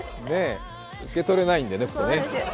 受け取れないんでね。